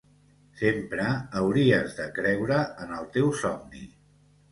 sempre hauries de creure en el teu somni